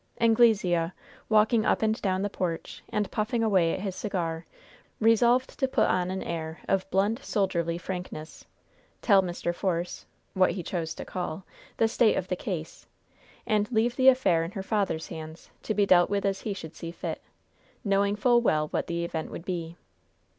Anglesea, walking up and down the porch, and puffing away at his cigar, resolved to put on an air of blunt, soldierly frankness; tell Mr. Force what he chose to call the state of the case, and leave the affair in her father's hands, to be dealt with as he should see fit knowing full well what the event would be.